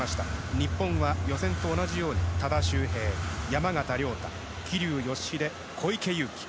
日本は予選と同じように多田修平、山縣亮太桐生祥秀、小池祐貴。